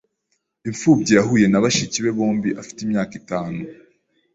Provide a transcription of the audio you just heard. Imfubyi yahuye na bashiki be bombi afite imyaka itanu.